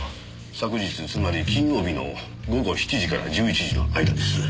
昨日つまり金曜日の午後７時から１１時の間です。